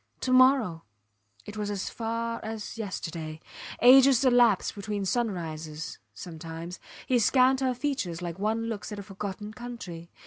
To morrow! It was as far as yesterday. Ages elapsed between sunrises sometimes. He scanned her features like one looks at a forgotten country.